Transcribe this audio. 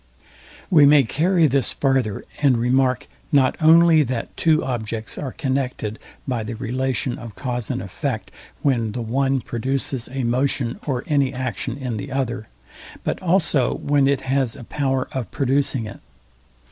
We may carry this farther, and remark, not only that two objects are connected by the relation of cause and effect, when the one produces a motion or any action in the other, but also when it has a power of producing it.